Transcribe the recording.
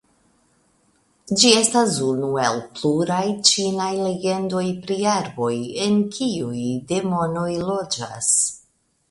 Ĝi estas unu el pluraj ĉinaj legendoj pri arboj en kiuj demonoj loĝas.